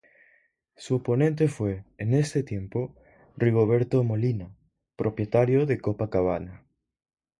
Su oponente fue, en este tiempo, Rigoberto Molina, propietario de Copacabana.